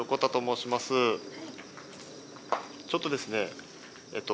ちょっとですね。